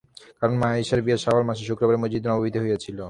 কারণ, মা আয়িশার বিয়ে শাওয়াল মাসের শুক্রবারে মসজিদে নববিতেই হয়েছিল।